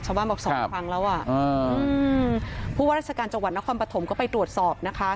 บอกสองครั้งแล้วอ่ะอืมผู้ว่าราชการจังหวัดนครปฐมก็ไปตรวจสอบนะคะ